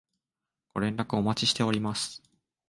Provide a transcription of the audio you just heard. ご連絡お待ちしております